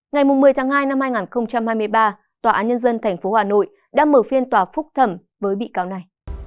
ngày một mươi tháng hai năm hai nghìn hai mươi ba tòa án nhân dân tp hà nội đã mở phiên tòa phúc thẩm với bị cáo này